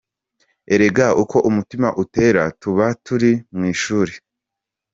Erega uko umutima utera tuba turi mu ishuri!.